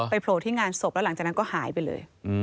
โผล่ที่งานศพแล้วหลังจากนั้นก็หายไปเลย